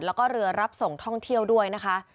แล้วก็เรือรับส่งท่องเที่ยวด้วยนะคะ